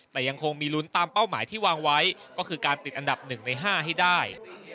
แต่ยังคงมีลุ้นตามเป้าหมายที่วางไว้ก็คือการติดอันดับ๑ใน๕ให้ได้